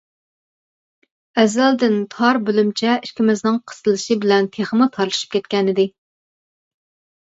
ئەزەلدىن تار بۆلۈمچە ئىككىمىزنىڭ قىستىلىشى بىلەن تېخىمۇ تارلىشىپ كەتكەنىدى.